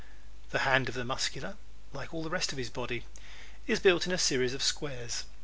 The hand of the Muscular, like all the rest of his body, is built in a series of squares.